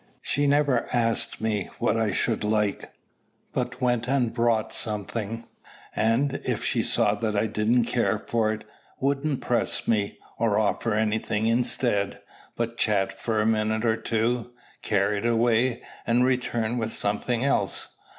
She never asked me what I should like, but went and brought something; and, if she saw that I didn't care for it, wouldn't press me, or offer any thing instead, but chat for a minute or two, carry it away, and return with something else.